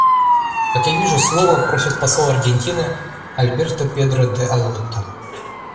Как я вижу, слова просит посол Аргентины Альберто Педро д'Алотто.